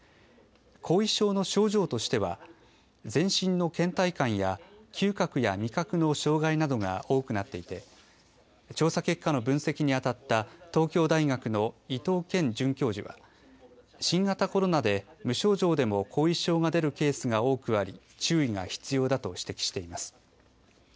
後遺症の症状としては、全身のけん怠感や嗅覚や味覚の障害などが多くなっていて、調査結果の分析に当たった東京大学の伊東乾准教授は新型コロナで無症状でも後遺症が出るケースが多くあり、注意が必要だと指摘しています。